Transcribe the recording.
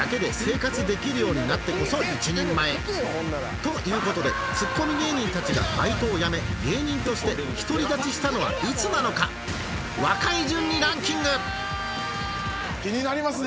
という事でツッコミ芸人たちがバイトを辞め芸人として独り立ちしたのはいつなのか若い順にランキング気になりますね。